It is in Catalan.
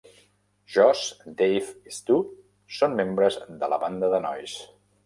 Josh, Dave i Stu són membres de la banda de nois.